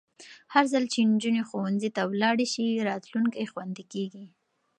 هرځل چې نجونې ښوونځي ته ولاړې شي، راتلونکی خوندي کېږي.